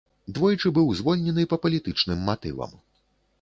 Двойчы быў звольнены па палітычным матывам.